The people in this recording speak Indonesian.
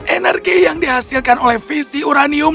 energi yang dihasilkan oleh visi uranium